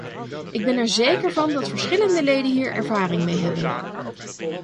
Ik ben er zeker van dat verschillende leden hier ervaring mee hebben.